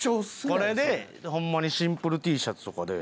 これでホンマにシンプルＴシャツとかで。